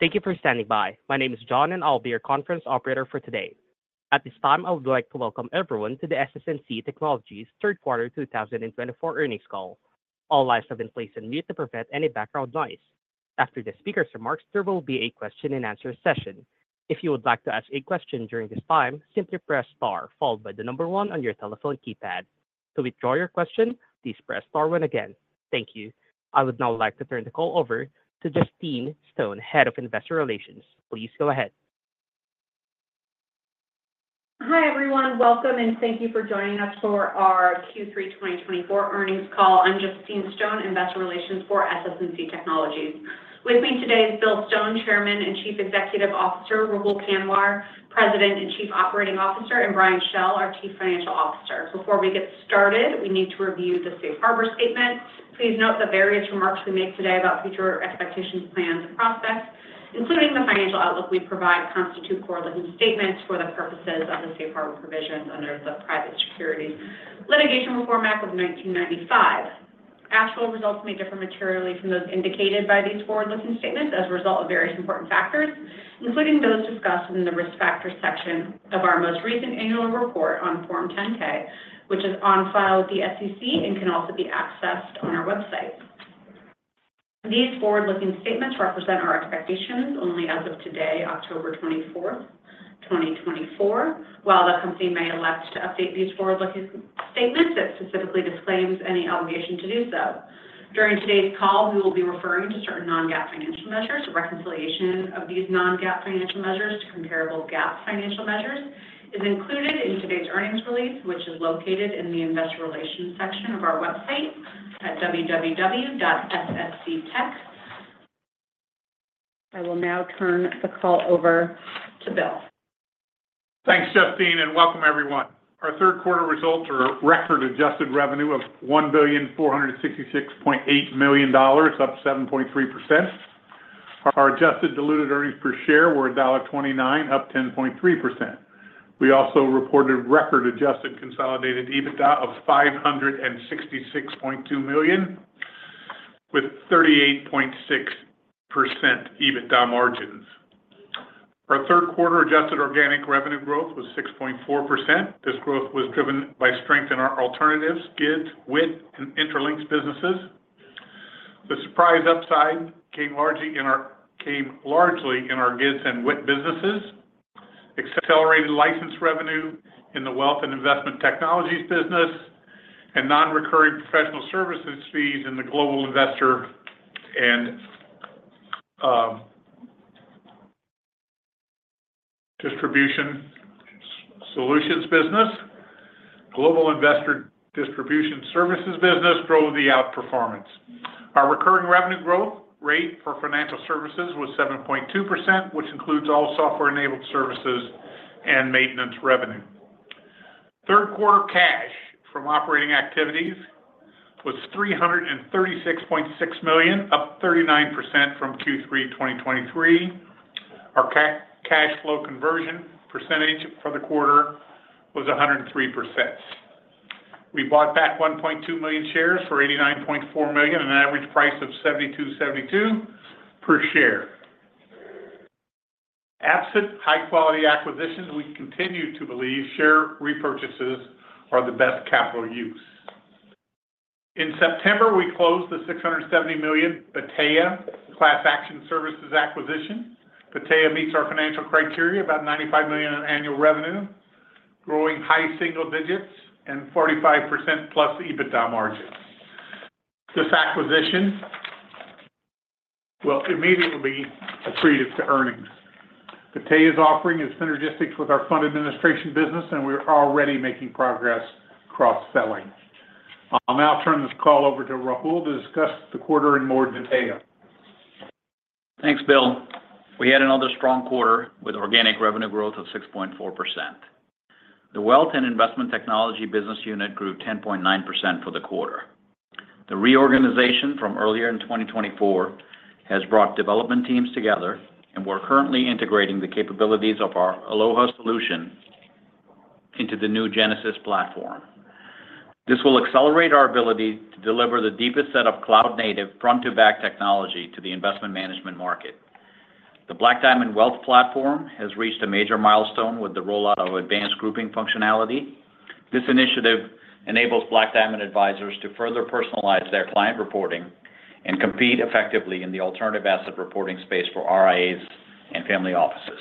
Thank you for standing by. My name is John, and I'll be your conference operator for today. At this time, I would like to welcome everyone to the SS&C Technologies third quarter 2024 earnings call. All lines have been placed on mute to prevent any background noise. After the speaker's remarks, there will be a question-and-answer session. If you would like to ask a question during this time, simply press star, followed by the number one on your telephone keypad. To withdraw your question, please press star one again. Thank you. I would now like to turn the call over to Justine Stone, Head of Investor Relations. Please go ahead. Hi, everyone. Welcome, and thank you for joining us for our Q3 2024 earnings call. I'm Justine Stone, Investor Relations for SS&C Technologies. With me today is Bill Stone, Chairman and Chief Executive Officer, Rahul Kanwar, President and Chief Operating Officer, and Brian Schell, our Chief Financial Officer. Before we get started, we need to review the Safe Harbor statement. Please note the various remarks we make today about future expectations, plans, and prospects, including the financial outlook we provide, constitute forward-looking statements for the purposes of the Safe Harbor provisions under the Private Securities Litigation Reform Act of 1995. Actual results may differ materially from those indicated by these forward-looking statements as a result of various important factors, including those discussed in the Risk Factors section of our most recent annual report on Form 10-K, which is on file with the SEC and can also be accessed on our website. These forward-looking statements represent our expectations only as of today, October 24th, 2024. While the company may elect to update these forward-looking statements, it specifically disclaims any obligation to do so. During today's call, we will be referring to certain non-GAAP financial measures. A reconciliation of these non-GAAP financial measures to comparable GAAP financial measures is included in today's earnings release, which is located in the Investor Relations section of our website at www.ssctech.com. I will now turn the call over to Bill. Thanks, Justine, and welcome everyone. Our third quarter results are a record adjusted revenue of $1,466.8 million, up 7.3%. Our adjusted diluted earnings per share were $1.29, up 10.3%. We also reported record adjusted consolidated EBITDA of $566.2 million, with 38.6% EBITDA margins. Our third quarter adjusted organic revenue growth was 6.4%. This growth was driven by strength in our alternatives, GIDS, WIT, and Intralinks businesses. The surprise upside came largely in our GIDS and WIT businesses, accelerated license revenue in the Wealth and Investment Technologies business, and non-recurring professional services fees in the Global Investor and Distribution Solutions business. Global Investor Distribution Services business drove the outperformance. Our recurring revenue growth rate for financial services was 7.2%, which includes all software-enabled services and maintenance revenue. Third quarter cash from operating activities was $336.6 million, up 39% from Q3 2023. Our cash flow conversion percentage for the quarter was 103%. We bought back 1.2 million shares for $89.4 million, an average price of $72 per share. Absent high-quality acquisitions, we continue to believe share repurchases are the best capital use. In September, we closed the $670 million Battea Class Action Services acquisition. Battea meets our financial criteria, about $95 million in annual revenue, growing high single digits and 45%+ EBITDA margins. This acquisition will immediately be accretive to earnings. Battea's offering is synergistic with our fund administration business, and we're already making progress cross-selling. I'll now turn this call over to Rahul to discuss the quarter in more detail. Thanks, Bill. We had another strong quarter with organic revenue growth of 6.4%. The Wealth and Investment Technologies business unit grew 10.9% for the quarter. The reorganization from earlier in 2024 has brought development teams together, and we're currently integrating the capabilities of our Aloha solution into the new Genesis platform. This will accelerate our ability to deliver the deepest set of cloud-native front-to-back technology to the investment management market. The Black Diamond Wealth Platform has reached a major milestone with the rollout of advanced grouping functionality. This initiative enables Black Diamond advisors to further personalize their client reporting and compete effectively in the alternative asset reporting space for RIAs and family offices.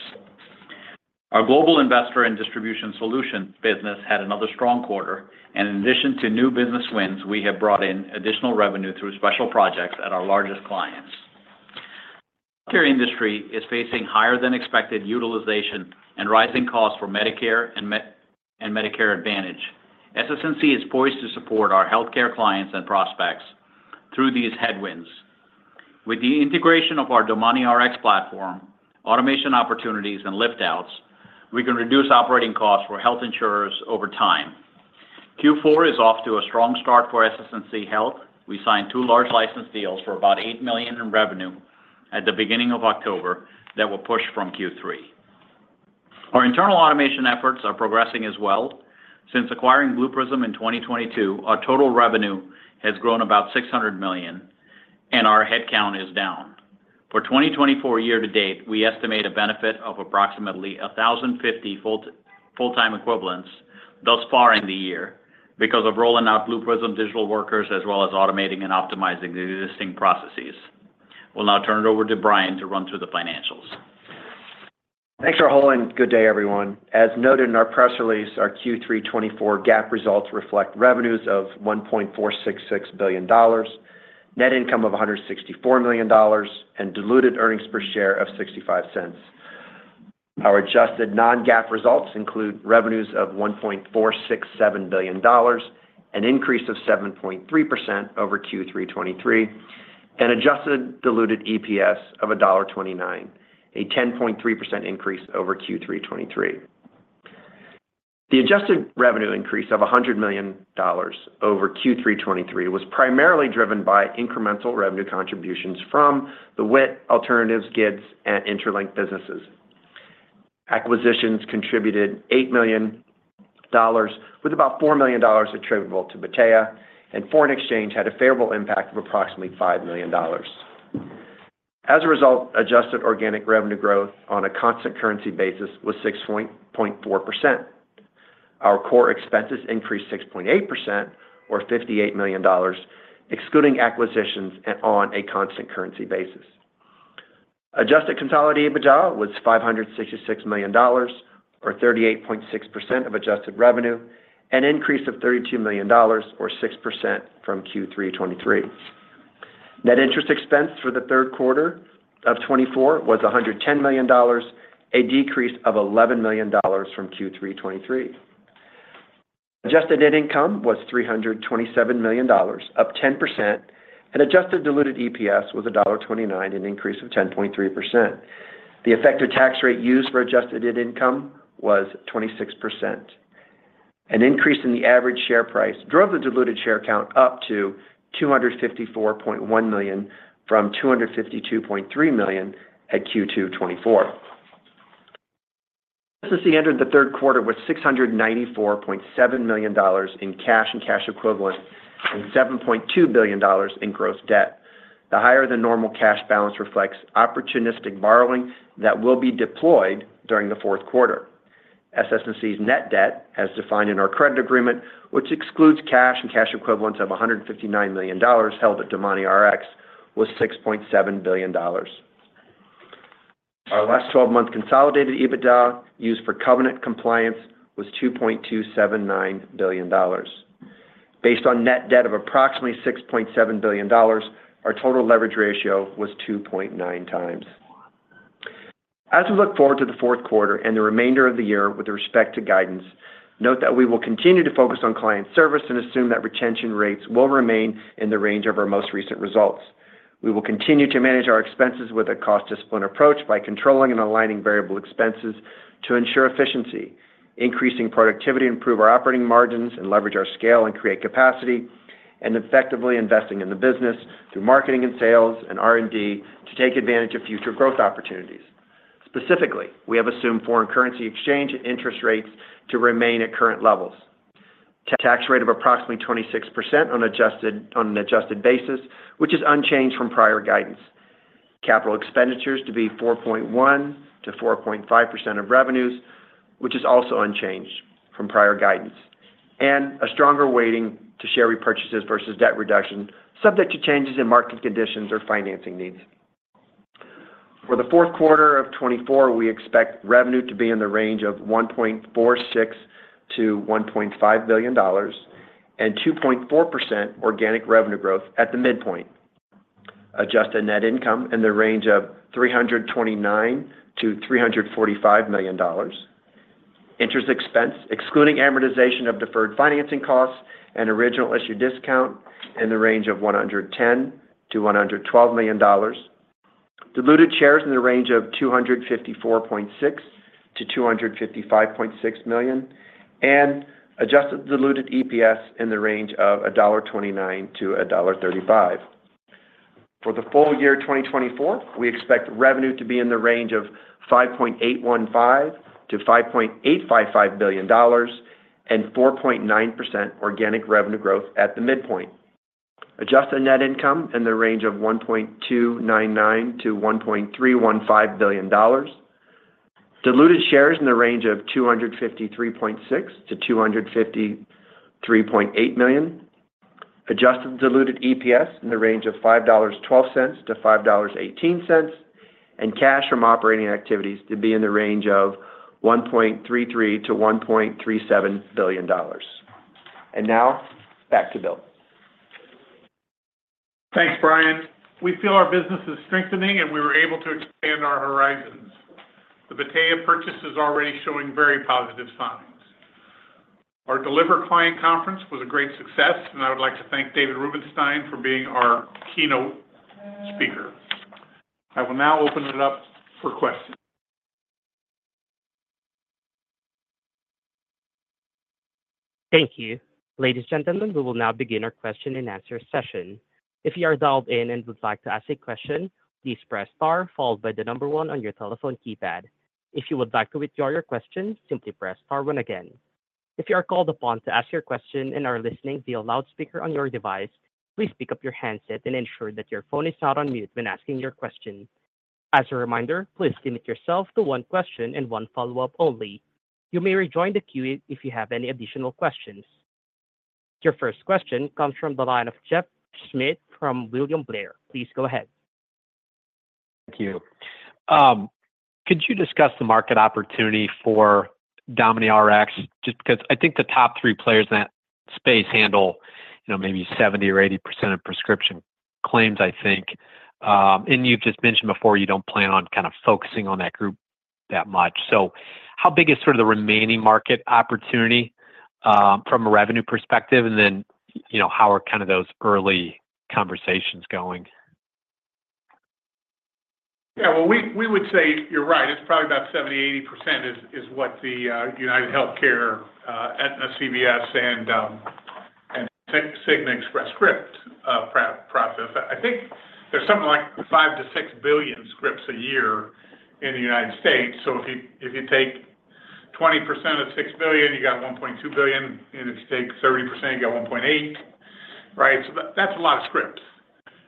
Our Global Investor and Distribution Solutions business had another strong quarter, and in addition to new business wins, we have brought in additional revenue through special projects at our largest clients. Healthcare industry is facing higher-than-expected utilization and rising costs for Medicare and Medicare Advantage. SS&C is poised to support our healthcare clients and prospects through these headwinds. With the integration of our DomaniRx platform, automation opportunities, and lift-outs, we can reduce operating costs for health insurers over time. Q4 is off to a strong start for SS&C Health. We signed two large license deals for about $8 million in revenue at the beginning of October that will push from Q3. Our internal automation efforts are progressing as well. Since acquiring Blue Prism in 2022, our total revenue has grown about $600 million, and our headcount is down. For 2024 year-to-date, we estimate a benefit of approximately 1,050 full-time equivalents thus far in the year because of rolling out Blue Prism digital workers, as well as automating and optimizing the existing processes. We'll now turn it over to Brian to run through the financials. Thanks, Rahul, and good day, everyone. As noted in our press release, our Q3 2024 GAAP results reflect revenues of $1.466 billion, net income of $164 million, and diluted earnings per share of $0.65. Our adjusted non-GAAP results include revenues of $1.467 billion, an increase of 7.3% over Q3 2023, and adjusted diluted EPS of $1.29, a 10.3% increase over Q3 2023. The adjusted revenue increase of $100 million over Q3 2023 was primarily driven by incremental revenue contributions from the WIT Alternatives, GIDS, and Intralinks businesses. Acquisitions contributed $8 million, with about $4 million attributable to Battea, and foreign exchange had a favorable impact of approximately $5 million. As a result, adjusted organic revenue growth on a constant currency basis was 6.4%. Our core expenses increased 6.8% or $58 million, excluding acquisitions and on a constant currency basis. Adjusted consolidated EBITDA was $566 million, or 38.6% of adjusted revenue, an increase of $32 million or 6% from Q3 2023. Net interest expense for the third quarter of 2024 was $110 million, a decrease of $11 million from Q3 2023. Adjusted net income was $327 million, up 10%, and adjusted diluted EPS was $1.29, an increase of 10.3%. The effective tax rate used for adjusted net income was 26%. An increase in the average share price drove the diluted share count up to $254.1 million from $252.3 million at Q2 2024. SS&C entered the third quarter with $694.7 million in cash and cash equivalents, and $7.2 billion in gross debt. The higher-than-normal cash balance reflects opportunistic borrowing that will be deployed during the fourth quarter. SS&C's net debt, as defined in our credit agreement, which excludes cash and cash equivalents of $159 million held at DomaniRx, was $6.7 billion. Our last 12-month consolidated EBITDA used for covenant compliance was $2.279 billion. Based on net debt of approximately $6.7 billion, our total leverage ratio was 2.9×. As we look forward to the fourth quarter and the remainder of the year with respect to guidance, note that we will continue to focus on client service and assume that retention rates will remain in the range of our most recent results. We will continue to manage our expenses with a cost discipline approach by controlling and aligning variable expenses to ensure efficiency, increasing productivity, improve our operating margins, and leverage our scale and create capacity, and effectively investing in the business through marketing and sales and R&D to take advantage of future growth opportunities. Specifically, we have assumed foreign currency exchange and interest rates to remain at current levels. Tax rate of approximately 26% on an adjusted basis, which is unchanged from prior guidance. Capital expenditures to be 4.1%-4.5% of revenues, which is also unchanged from prior guidance, and a stronger weighting to share repurchases versus debt reduction, subject to changes in market conditions or financing needs. For the fourth quarter of 2024, we expect revenue to be in the range of $1.46-$1.5 billion and 2.4% organic revenue growth at the midpoint. Adjusted net income in the range of $329-$345 million. Interest expense, excluding amortization of deferred financing costs and original issue discount, in the range of $110-$112 million. Diluted shares in the range of 254.6-255.6 million, and adjusted diluted EPS in the range of $1.29-$1.35. For the full year 2024, we expect revenue to be in the range of $5.815-$5.855 billion, and 4.9% organic revenue growth at the midpoint. Adjusted net income in the range of $1.299-$1.315 billion. Diluted shares in the range of 253.6-253.8 million. Adjusted diluted EPS in the range of $5.12 to $5.18, and cash from operating activities to be in the range of $1.33 billion to $1.37 billion, and now, back to Bill. Thanks, Brian. We feel our business is strengthening, and we were able to expand our horizons. The Battea purchase is already showing very positive signs. Our Deliver Client Conference was a great success, and I would like to thank David Rubenstein for being our keynote speaker. I will now open it up for questions. Thank you. Ladies and gentlemen, we will now begin our question and answer session. If you are dialed in and would like to ask a question, please press star, followed by the number one on your telephone keypad. If you would like to withdraw your question, simply press star one again. If you are called upon to ask your question and are listening via loudspeaker on your device, please pick up your handset and ensure that your phone is not on mute when asking your question. As a reminder, please limit yourself to one question and one follow-up only. You may rejoin the queue if you have any additional questions. Your first question comes from the line of Jeff Schmitt from William Blair. Please go ahead. Thank you. Could you discuss the market opportunity for DomaniRx? Just because I think the top three players in that space handle, you know, maybe 70% or 80% of prescription claims, I think, and you've just mentioned before, you don't plan on kind of focusing on that group that much, so how big is sort of the remaining market opportunity from a revenue perspective, and then, you know, how are kind of those early conversations going? Yeah, well, we would say you're right. It's probably about 70%-80% is what the UnitedHealthcare, Aetna, CVS, and Cigna Express Scripts process. I think there's something like 5-6 billion scripts a year in the United States. So if you take 20% of 6 billion, you got 1.2 billion, and if you take 30%, you got 1.8 bilion, right? So that's a lot of scripts,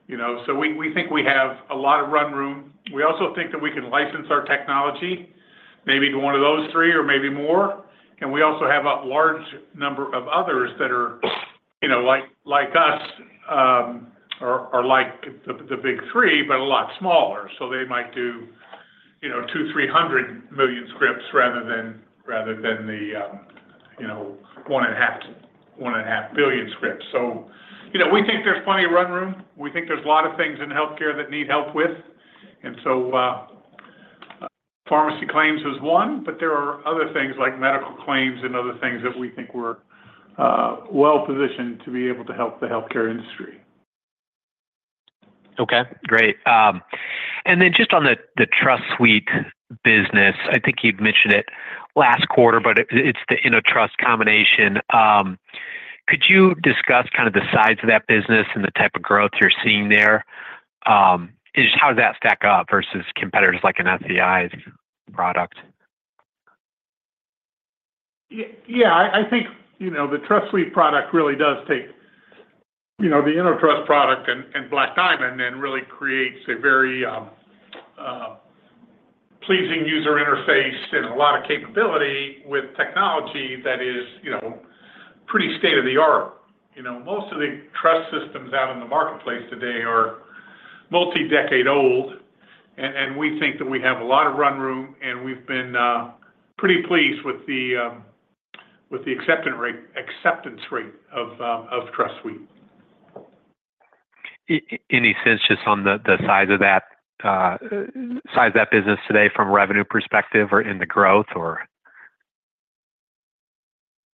you know. So we think we have a lot of run room. We also think that we can license our technology, maybe to one of those three or maybe more, and we also have a large number of others that are, you know, like us, or like the big three, but a lot smaller. So they might do, you know, two, three hundred million scripts rather than the, you know, one and a half to two billion scripts. So, you know, we think there's plenty of run room. We think there's a lot of things in healthcare that need help with, and so, pharmacy claims is one, but there are other things like medical claims and other things that we think we're well-positioned to be able to help the healthcare industry. Okay, great. Then just on the TrustSuite business, I think you'd mentioned it last quarter, but it's the Innovest combination. Could you discuss kind of the size of that business and the type of growth you're seeing there and just how does that stack up versus competitors like an FIS product? Yeah, I think, you know, the TrustSuite product really does take, you know, the Innovest product and Black Diamond, and really creates a very pleasing user interface and a lot of capability with technology that is, you know, pretty state-of-the-art. You know, most of the Trust systems out in the marketplace today are multi-decade old, and we think that we have a lot of run room, and we've been pretty pleased with the acceptance rate of TrustSuite. Any sense, just on the size of that business today from a revenue perspective or in the growth,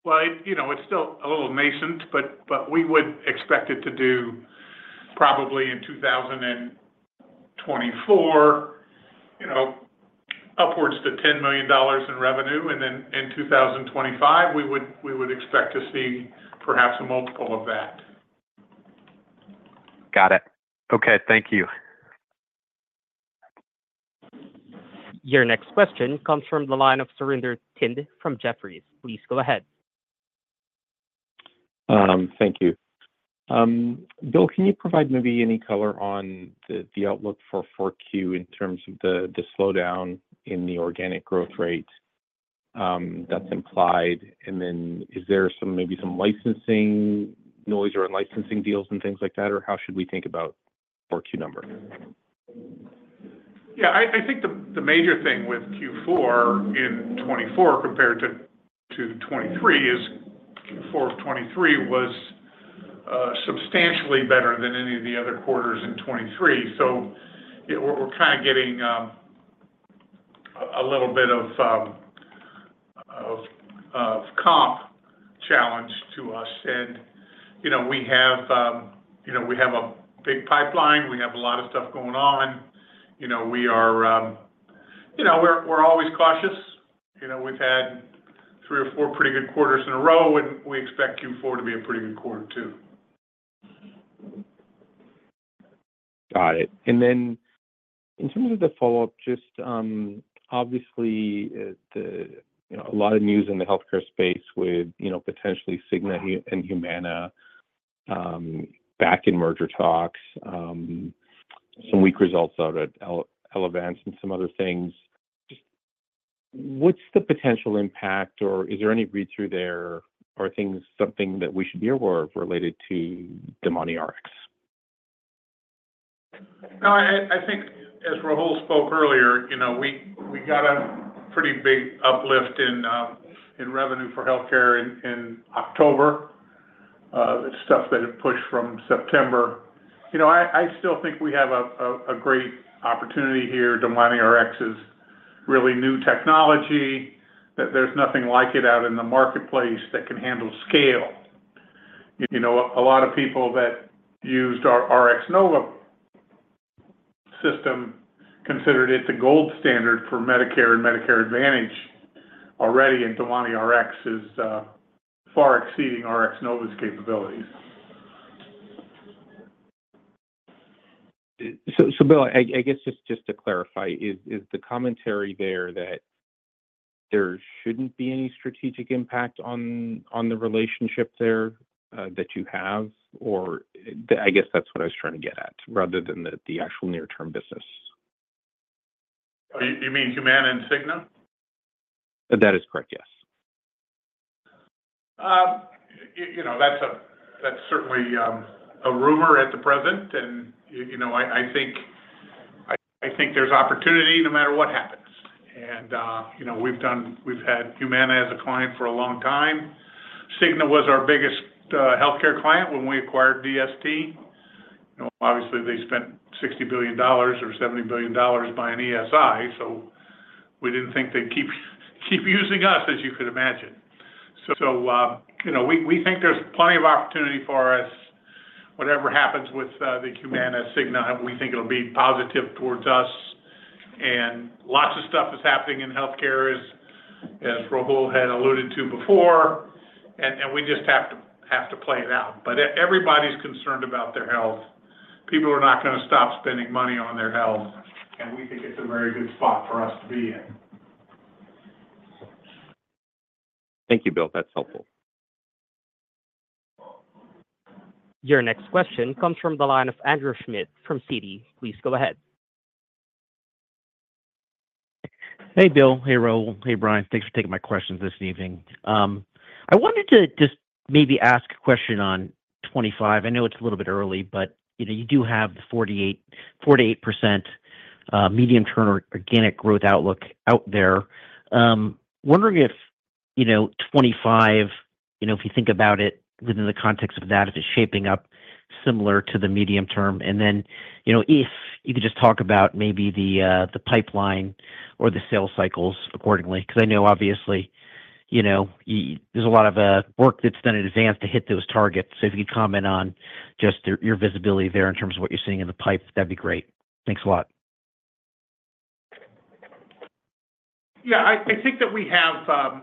or? You know, it's still a little nascent, but we would expect it to do probably in 2024, you know, upwards to $10 million in revenue, and then in 2025, we would expect to see perhaps a multiple of that. Got it. Okay, thank you. Your next question comes from the line of Surinder Thind from Jefferies. Please go ahead. Thank you. Bill, can you provide maybe any color on the outlook for Q4 in terms of the slowdown in the organic growth rate that's implied? Then is there maybe some licensing noise or licensing deals and things like that, or how should we think about Q4 number? Yeah, I think the major thing with Q4 in 2024 compared to 2023 is Q4 of 2023 was substantially better than any of the other quarters in 2023. So we're kind of getting a little bit of comp challenge to us, and you know, we have a big pipeline. We have a lot of stuff going on. You know, we are always cautious. You know, we've had three or four pretty good quarters in a row, and we expect Q4 to be a pretty good quarter, too. Got it. Then in terms of the follow-up, just, obviously, the, you know, a lot of news in the healthcare space with, you know, potentially Cigna and Humana, back in merger talks, some weak results out at Elevance and some other things. Just what's the potential impact, or is there any read-through there? Are things something that we should be aware of related to the DomaniRx? No, I think as Rahul spoke earlier, you know, we got a pretty big uplift in revenue for healthcare in October. It's stuff that had pushed from September. You know, I still think we have a great opportunity here. DomaniRx is really new technology, that there's nothing like it out in the marketplace that can handle scale. You know, a lot of people that used our RxNova system considered it the gold standard for Medicare and Medicare Advantage already, and DomaniRx is far exceeding RxNova's capabilities. So, Bill, I guess just to clarify, is the commentary there that there shouldn't be any strategic impact on the relationship there that you have or I guess that's what I was trying to get at, rather than the actual near-term business. You mean Humana and Cigna? That is correct, yes. You know, that's certainly a rumor at the present, and, you know, I think there's opportunity no matter what happens, and, you know, we've had Humana as a client for a long time. Cigna was our biggest healthcare client when we acquired DST. You know, obviously, they spent $60 billion or $70 billion buying ESI, so we didn't think they'd keep using us, as you could imagine. So, you know, we think there's plenty of opportunity for us. Whatever happens with the Humana, Cigna, we think it'll be positive towards us. Lots of stuff is happening in healthcare, as Rahul had alluded to before, and we just have to play it out. But everybody's concerned about their health. People are not gonna stop spending money on their health, and we think it's a very good spot for us to be in. Thank you, Bill. That's helpful. Your next question comes from the line of Andrew Schmidt from Citi. Please go ahead. Hey, Bill. Hey, Rahul. Hey, Brian. Thanks for taking my questions this evening. I wanted to just maybe ask a question on 2025. I know it's a little bit early, but, you know, you do have the 4%-8% medium-term organic growth outlook out there. Wondering if, you know, 2025, you know, if you think about it within the context of that, is it shaping up similar to the medium term? Then, you know, if you could just talk about maybe the, the pipeline or the sales cycles accordingly, 'cause I know, obviously, you know, there's a lot of, work that's done in advance to hit those targets. So if you could comment on just your, your visibility there in terms of what you're seeing in the pipe, that'd be great. Thanks a lot. Yeah, I think that we have.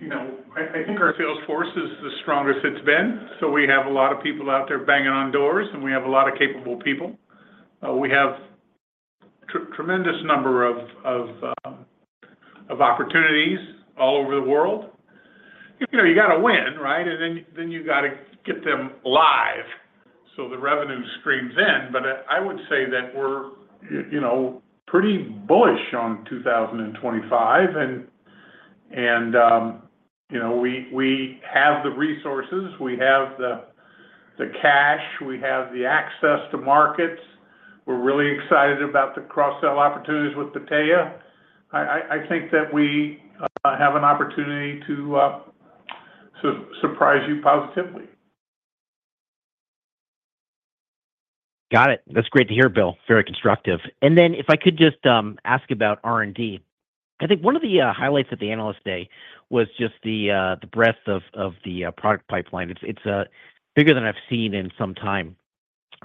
You know, I think our sales force is the strongest it's been, so we have a lot of people out there banging on doors, and we have a lot of capable people. We have tremendous number of opportunities all over the world. You know, you gotta win, right? Then you gotta get them live, so the revenue streams in. But, I would say that we're, you know, pretty bullish on 2025, and, you know, we have the resources, we have the cash, we have the access to markets. We're really excited about the cross-sell opportunities with Battea. I think that we have an opportunity to surprise you positively. Got it. That's great to hear, Bill. Very constructive. Then, if I could just ask about R&D. I think one of the highlights of the Analyst Day was just the breadth of the product pipeline. It's bigger than I've seen in some time.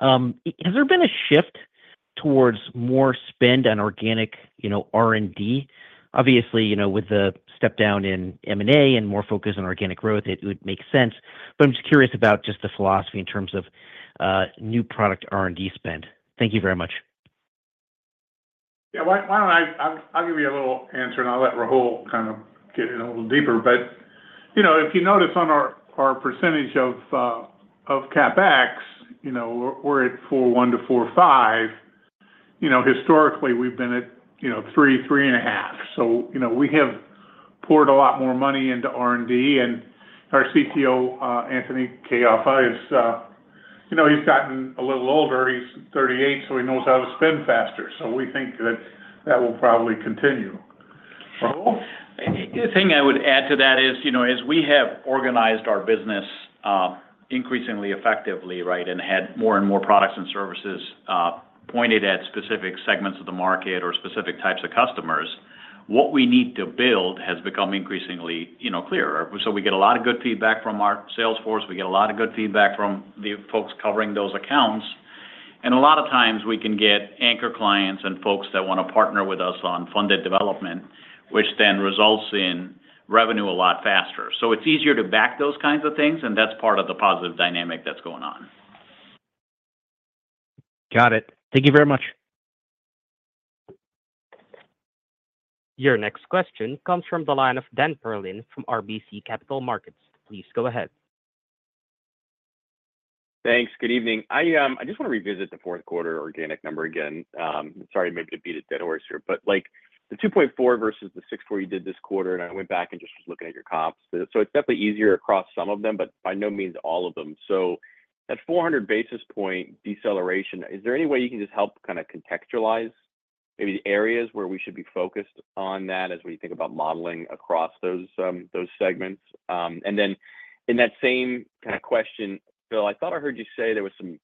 Has there been a shift towards more spend on organic, you know, R&D? Obviously, you know, with the step down in M&A and more focus on organic growth, it would make sense, but I'm just curious about just the philosophy in terms of new product R&D spend. Thank you very much. Yeah, why don't I give you a little answer, and I'll let Rahul kind of get in a little deeper. But, you know, if you notice on our percentage of CapEx, you know, we're at 4.1%-4.5%. You know, historically, we've been at 3%-3.5%. So, you know, we have poured a lot more money into R&D, and our CTO, Anthony Caiafa, is... you know, he's gotten a little older. He's 38%, so he knows how to spend faster, so we think that that will probably continue. Rahul? The thing I would add to that is, you know, as we have organized our business, increasingly effectively, right, and had more and more products and services, pointed at specific segments of the market or specific types of customers, what we need to build has become increasingly, you know, clearer. So we get a lot of good feedback from our sales force, we get a lot of good feedback from the folks covering those accounts, and a lot of times we can get anchor clients and folks that wanna partner with us on funded development, which then results in revenue a lot faster. So it's easier to back those kinds of things, and that's part of the positive dynamic that's going on. Got it. Thank you very much. Your next question comes from the line of Daniel Perlin from RBC Capital Markets. Please go ahead. Thanks. Good evening. I just want to revisit the fourth quarter organic number again. Sorry, maybe to beat a dead horse here, but, like, the 2.4 versus the 6.4 you did this quarter, and I went back and just was looking at your comps. So it's definitely easier across some of them, but by no means all of them. So at 400 basis point deceleration, is there any way you can just help kind of contextualize maybe the areas where we should be focused on that as we think about modeling across those, those segments? Then in that same kind of question, Bill, I thought I heard you say there was some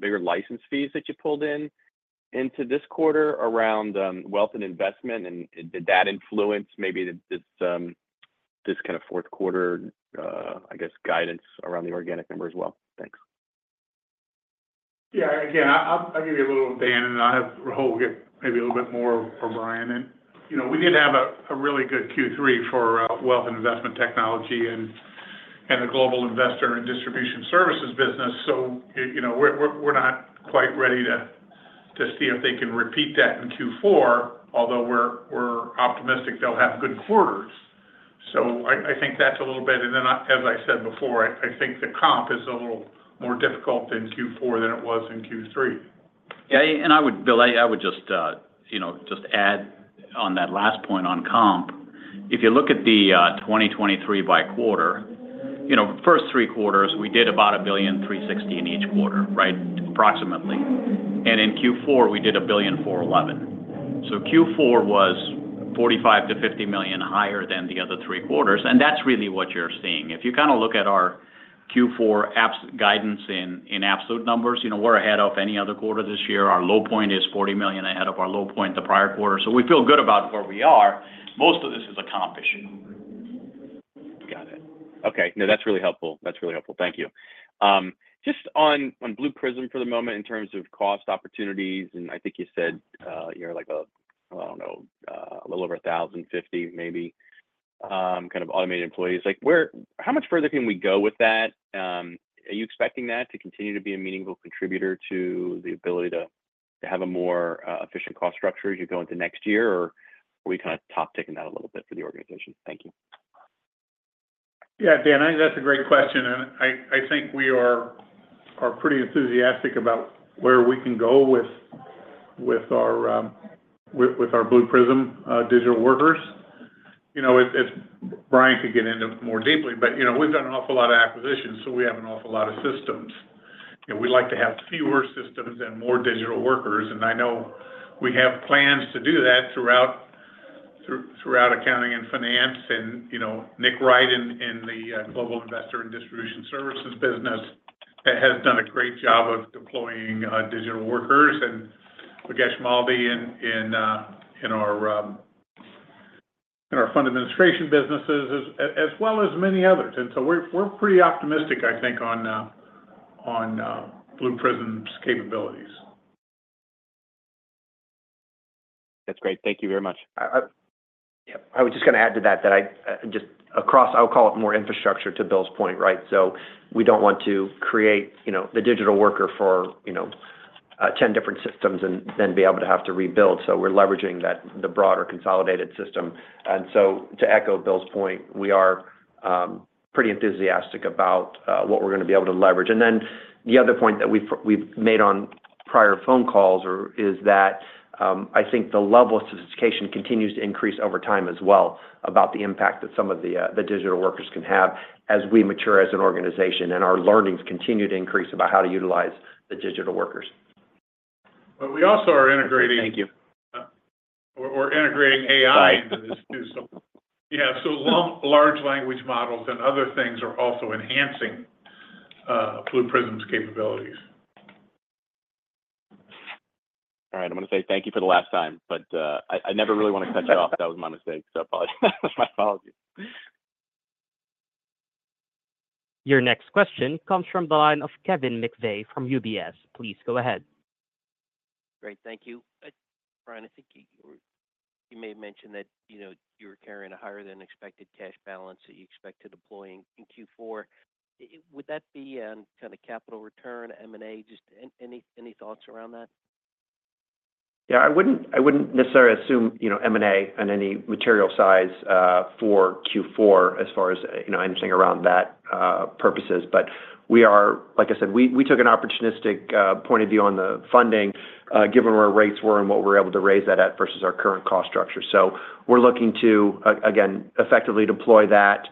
bigger license fees that you pulled in into this quarter around, wealth and investment, and did that influence maybe this kind of fourth quarter, I guess, guidance around the organic number as well. Thanks. Yeah, again, I'll give you a little, Dan, and I have. Rahul will get maybe a little bit more from Brian. You know, we did have a really good Q3 for wealth and investment technology and the global investor and distribution services business. So, you know, we're not quite ready to see if they can repeat that in Q4, although we're optimistic they'll have good quarters. So I think that's a little bit. Then, as I said before, I think the comp is a little more difficult in Q4 than it was in Q3. Yeah, and I would, Bill, I would just, you know, just add on that last point on comp. If you look at the 2023 by quarter, you know, first three quarters, we did about $1.360 billion in each quarter, right? Approximately. In Q4, we did $1.411 billion. So Q4 was $45 million-$50 million higher than the other three quarters, and that's really what you're seeing. If you kind of look at our Q4 absolute guidance in absolute numbers, you know, we're ahead of any other quarter this year. Our low point is $40 million ahead of our low point the prior quarter. So we feel good about where we are. Most of this is a comp issue. Got it. Okay. No, that's really helpful. That's really helpful. Thank you. Just on Blue Prism for the moment, in terms of cost opportunities, and I think you said, you're like, I don't know, a little over 1,000 and 15,000, maybe, kind of automated employees. Like, where - how much further can we go with that? Are you expecting that to continue to be a meaningful contributor to the ability to have a more efficient cost structure as you go into next year or are we kind of top-taking that a little bit for the organization? Thank you. Yeah, Dan, I think that's a great question, and I think we are pretty enthusiastic about where we can go with our Blue Prism digital workers. You know, if Brian could get into more deeply, but you know, we've done an awful lot of acquisitions, so we have an awful lot of systems, and we like to have fewer systems and more digital workers and I know we have plans to do that throughout accounting and finance. You know, Nick Wright in the Global Investor and Distribution Services business has done a great job of deploying digital workers, and Bhagesh Malde in our fund administration businesses, as well as many others. So we're pretty optimistic, I think on Blue Prism's capabilities. That's great. Thank you very much. Yeah, I was just going to add to that, that I just across, I'll call it more infrastructure to Bill's point, right? So we don't want to create, you know, the digital worker for, you know, 10 different systems and then be able to have to rebuild. So we're leveraging that, the broader consolidated system. So, to echo Bill's point, we are pretty enthusiastic about what we're going to be able to leverage. Then the other point that we've made on prior phone calls is that, I think the level of sophistication continues to increase over time as well, about the impact that some of the digital workers can have as we mature as an organization and our learnings continue to increase about how to utilize the digital workers. But we also are integrating- Thank you. We're integrating AI into this too. So, yeah, so large language models and other things are also enhancing Blue Prism's capabilities. All right, I'm going to say thank you for the last time, but, I never really want to cut you off. That was my mistake, so apologies. My apologies. Your next question comes from the line of Kevin McVeigh from UBS. Please go ahead. Great. Thank you. Brian, I think you may have mentioned that, you know, you were carrying a higher-than-expected cash balance that you expect to deploy in Q4. Would that be on kind of capital return, M&A? Just any thoughts around that? Yeah, I wouldn't, I wouldn't necessarily assume, you know, M&A on any material size for Q4 as far as, you know, anything around that purposes, but we are like I said, we took an opportunistic point of view on the funding given where rates were and what we're able to raise that at versus our current cost structure. So we're looking to again effectively deploy that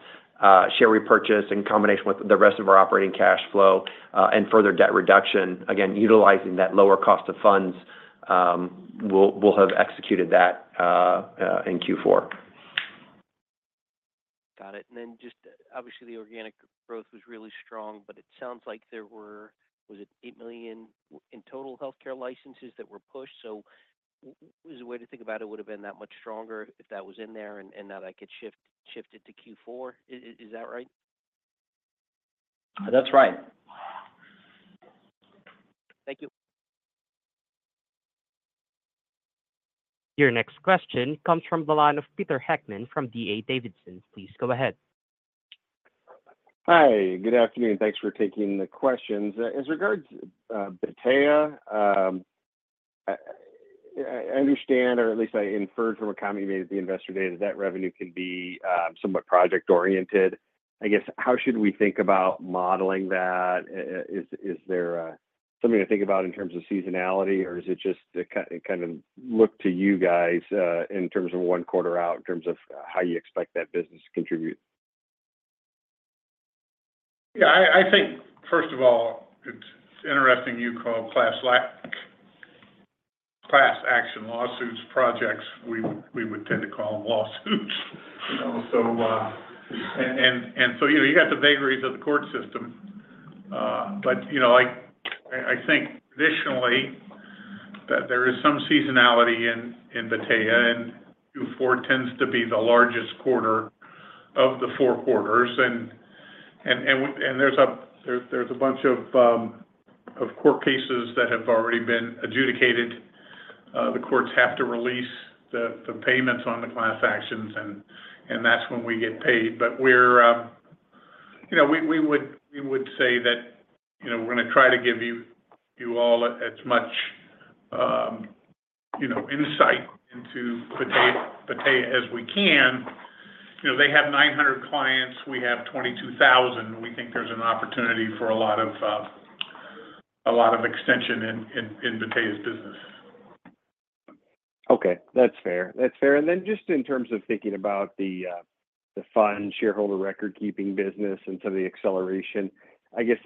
share repurchase in combination with the rest of our operating cash flow and further debt reduction. Again, utilizing that lower cost of funds, we'll have executed that in Q4. Got it. Then just obviously, the organic growth was really strong, but it sounds like was it eight million in total healthcare licenses that were pushed? So is the way to think about it would have been that much stronger if that was in there and that I could shift it to Q4. Is that right? That's right. Thank you. Your next question comes from the line of Peter Heckmann from D.A. Davidson. Please go ahead. Hi, good afternoon. Thanks for taking the questions. As regards, Battea, I understand, or at least I inferred from a comment you made at the investor day, that that revenue can be somewhat project-oriented. I guess, how should we think about modeling that? Is there something to think about in terms of seasonality, or is it just to kind of look to you guys, in terms of one quarter out, in terms of how you expect that business to contribute? Yeah, I think, first of all, it's interesting you class action lawsuits projects. We would tend to call them lawsuits, you know? So, you know, you got the vagaries of the court system. But, you know, I think traditionally that there is some seasonality in Battea, and Q4 tends to be the largest quarter of the four quarters. There's a bunch of court cases that have already been adjudicated. The courts have to release the payments on the class actions, and that's when we get paid. But, you know, we would say that, you know, we're gonna try to give you all as much, you know, insight into Battea as we can. You know, they have 900 clients, we have 22,000. We think there's an opportunity for a lot of, a lot of extension in, in Battea's business. Okay, that's fair. That's fair. Then just in terms of thinking about the fund shareholder record-keeping business and some of the acceleration, I guess,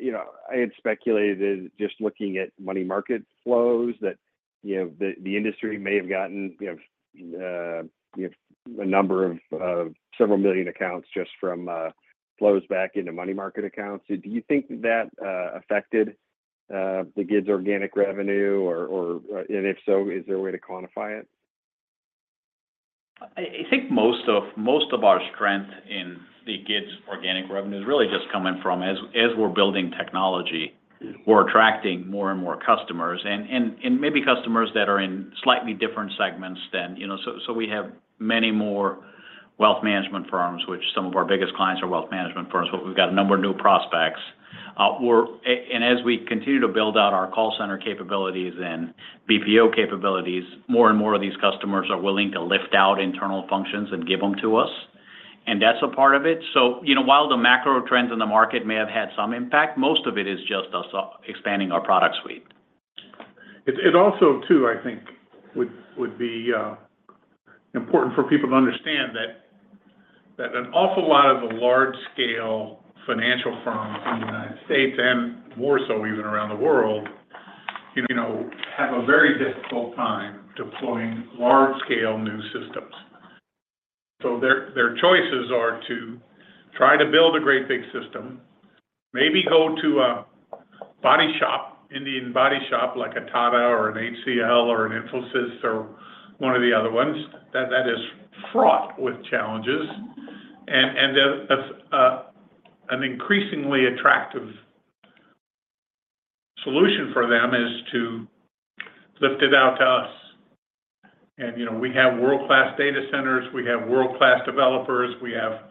you know, I had speculated just looking at money market flows, that, you know, the industry may have gotten, you know, a number of several million accounts just from flows back into money market accounts. Do you think that affected the GIDS organic revenue or, or... and if so, is there a way to quantify it? I think most of our strength in the GIDS organic revenue is really just coming from as we're building technology, we're attracting more and more customers, and maybe customers that are in slightly different segments than you know. So we have many more wealth management firms, which some of our biggest clients are wealth management firms, but we've got a number of new prospects. As we continue to build out our call center capabilities and BPO capabilities, more and more of these customers are willing to lift out internal functions and give them to us, and that's a part of it. You know, while the macro trends in the market may have had some impact, most of it is just us expanding our product suite. It also too, I think would be important for people to understand that an awful lot of the large-scale financial firms in the United States, and more so even around the world, you know, have a very difficult time deploying large-scale new systems. So their choices are to try to build a great big system, maybe go to a body shop, Indian body shop, like a Tata or an HCL or an Infosys or one of the other ones, that is fraught with challenges and that's an increasingly attractive solution for them is to lift it out to us. You know, we have world-class data centers, we have world-class developers, we have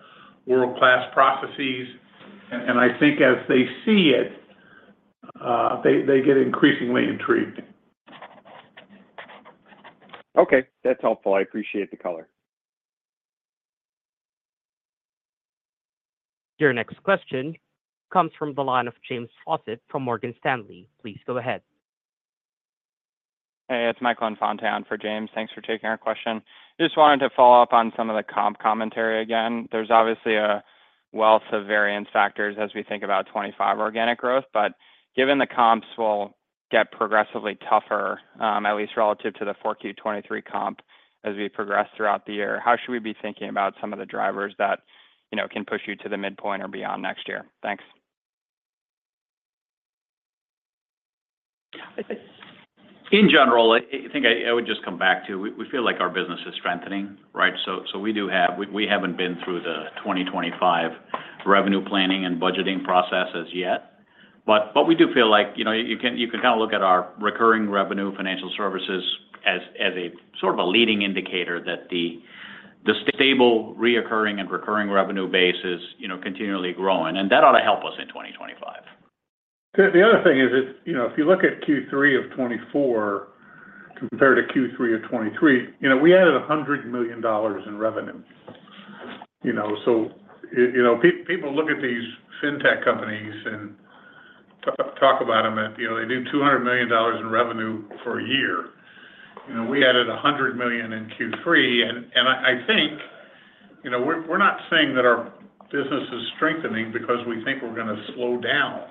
world-class processes, and I think as they see it, they get increasingly intrigued. Okay, that's helpful. I appreciate the color. Your next question comes from the line of James Faucette from Morgan Stanley. Please go ahead. Hey, it's Michael Infante for James. Thanks for taking our question. Just wanted to follow up on some of the comp commentary again. There's obviously a wealth of variant factors as we think about 2025 organic growth, but given the comps will get progressively tougher, at least relative to the 4Q 2023 comp as we progress throughout the year, how should we be thinking about some of the drivers that, you know, can push you to the midpoint or beyond next year? Thanks. In general, I think I would just come back to, we feel like our business is strengthening, right? So we do have. We haven't been through the 2025 revenue planning and budgeting processes yet, but we do feel like, you know, you can kind of look at our recurring revenue financial services as a sort of a leading indicator, that the stable recurring revenue base is, you know, continually growing, and that ought to help us in 2025. The other thing is, you know, if you look at Q3 of 2024 compared to Q3 of 2023, you know, we added $100 million in revenue. You know, so, you know, people look at these fintech companies and talk about them at, you know, they do $200 million in revenue for a year. You know, we added $100 million in Q3. I think, you know, we're not saying that our business is strengthening because we think we're gonna slow down.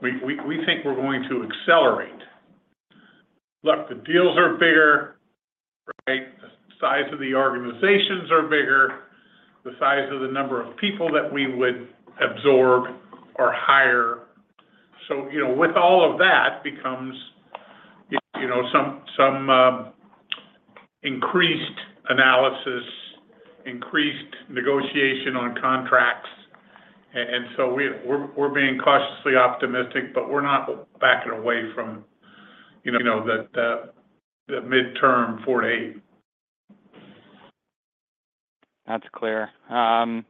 We think we're going to accelerate. Look, the deals are bigger, right? The size of the organizations are bigger, the size of the number of people that we would absorb are higher. So, you know, with all of that becomes, you know, some increased analysis, increased negotiation on contracts. We're being cautiously optimistic, but we're not backing away from, you know, the midterm 4-8. That's clear.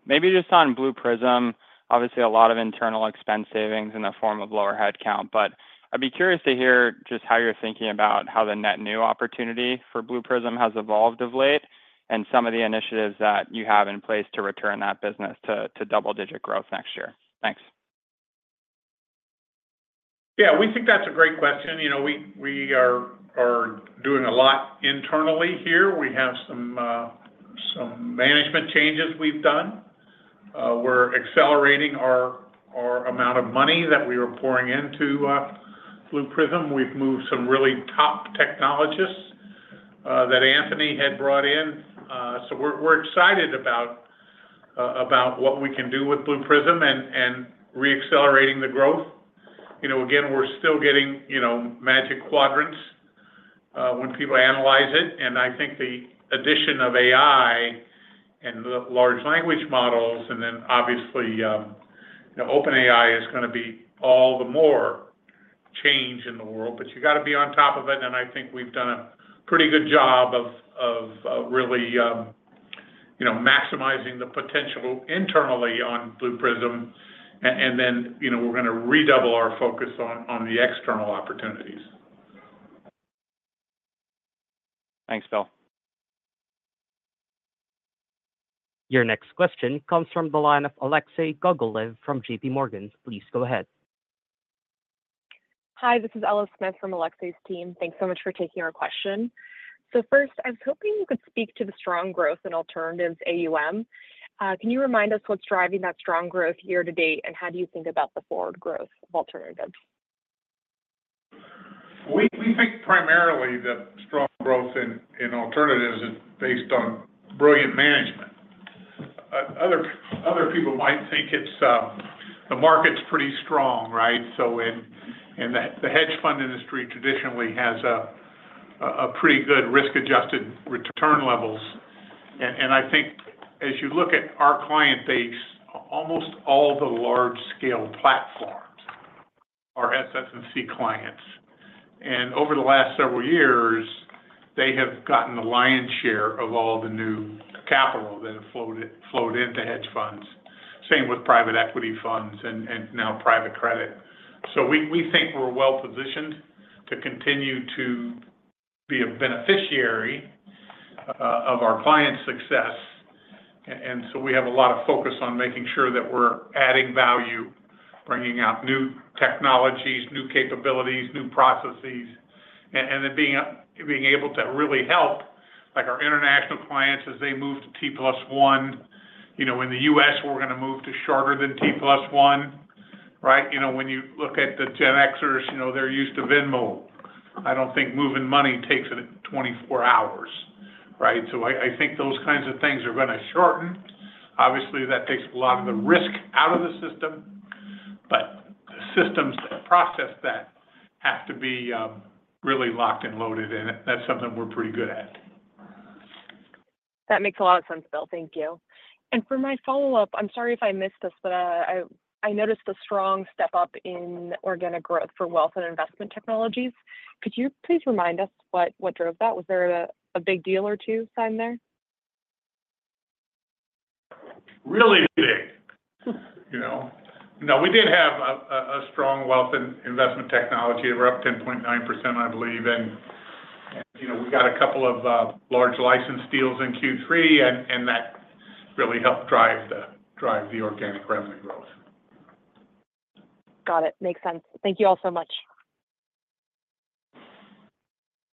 Maybe just on Blue Prism, obviously, a lot of internal expense savings in the form of lower headcount, but I'd be curious to hear just how you're thinking about how the net new opportunity for Blue Prism has evolved of late, and some of the initiatives that you have in place to return that business to double-digit growth next year. Thanks. Yeah, we think that's a great question. You know, we are doing a lot internally here. We have some management changes we've done. We're accelerating our amount of money that we are pouring into Blue Prism. We've moved some really top technologists that Anthony had brought in. So we're excited about what we can do with Blue Prism and reaccelerating the growth. You know, again, we're still getting, you know, magic quadrants when people analyze it, and I think the addition of AI and the large language models, and then obviously, you know, OpenAI is gonna be all the more change in the world. But you gotta be on top of it, and I think we've done a pretty good job of really, you know, maximizing the potential internally on Blue Prism. Then, you know, we're gonna redouble our focus on the external opportunities. Thanks, Bill. Your next question comes from the line of Alexei Gogolev from J.P. Morgan. Please go ahead. Hi, this is Ella Smith from Alexei's team. Thanks so much for taking our question. So first, I was hoping you could speak to the strong growth in alternatives AUM. Can you remind us what's driving that strong growth year-to-date, and how do you think about the forward growth of alternatives? We think primarily that strong growth in alternatives is based on brilliant management. Other people might think it's the market's pretty strong, right? So in the hedge fund industry traditionally has a pretty good risk-adjusted return levels. I think as you look at our client base, almost all the large-scale platforms are SS&C clients. Over the last several years, they have gotten the lion's share of all the new capital that have flowed into hedge funds. Same with private equity funds and now private credit. So we think we're well-positioned to continue to be a beneficiary of our clients' success. So we have a lot of focus on making sure that we're adding value, bringing out new technologies, new capabilities, new processes, and then being able to really help, like our international clients as they move to T+1. You know, in the U.S., we're gonna move to shorter than T+1, right? You know, when you look at the Gen Xers, you know, they're used to Venmo. I don't think moving money takes it 24hours, right? I think those kinds of things are gonna shorten. Obviously, that takes a lot of the risk out of the system, but the systems to process that have to be really locked and loaded, and that's something we're pretty good at. That makes a lot of sense, Bill. Thank you. For my follow-up, I'm sorry if I missed this, but I noticed a strong step-up in organic growth for Wealth and Investment Technologies. Could you please remind us what drove that? Was there a big deal or two signed there? Really big, you know? No, we did have a strong wealth and investment technology. We're up 10.9%, I believe, and, you know, we got a couple of large license deals in Q3, and that really helped drive the organic revenue growth. Got it. Makes sense. Thank you all so much.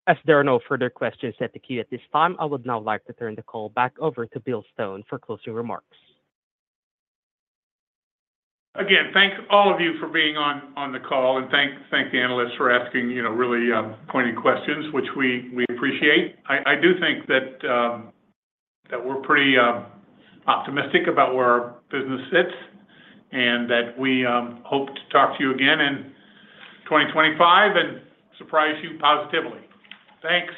As there are no further questions at the queue at this time, I would now like to turn the call back over to Bill Stone for closing remarks. Again, thank all of you for being on the call, and thank the analysts for asking, you know, really pointed questions, which we appreciate. I do think that we're pretty optimistic about where our business sits, and that we hope to talk to you again in 2025 and surprise you positively. Thanks.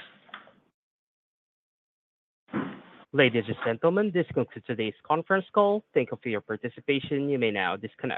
Ladies and gentlemen, this concludes today's conference call. Thank you for your participation. You may now disconnect.